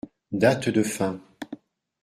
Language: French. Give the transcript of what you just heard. Date de fin.